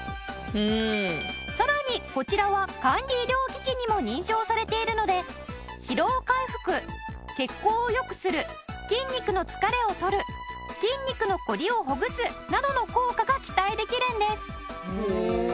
さらにこちらは管理医療機器にも認証されているので疲労回復血行を良くする筋肉の疲れを取る筋肉のコリをほぐすなどの効果が期待できるんです。